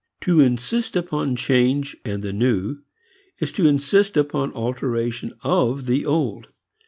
To insist upon change and the new is to insist upon alteration of the old.